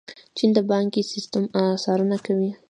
چین د بانکي سیسټم څارنه کوي.